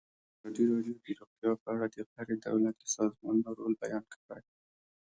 ازادي راډیو د روغتیا په اړه د غیر دولتي سازمانونو رول بیان کړی.